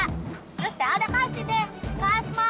terus teh alda kasih deh ke asma